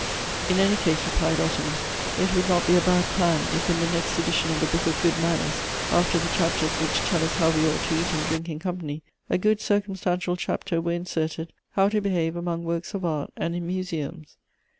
" In any case," replied Ottilie, " it would not be a bad plan if in the next edition of the book of good manners, after the chapters which tell us how we ought to eat and drink in company, a good circumstantial chapter were inserted, how to behave among works of art and in museums."